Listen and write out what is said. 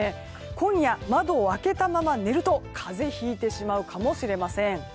今夜、窓を開けたまま寝ると風邪ひいてしまうかもしれません。